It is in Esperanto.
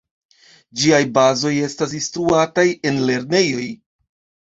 Ĝiaj bazoj estas instruataj en lernejoj.